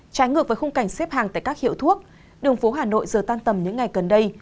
trái ngược với khung cảnh xếp hàng tại các hiệu thuốc đường phố hà nội giờ tan tầm những ngày gần đây